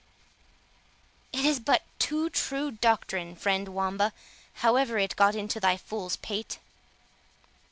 "It is but too true doctrine, friend Wamba, however it got into thy fool's pate."